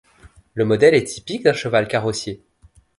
Le modèle est typique d'un cheval carrossier.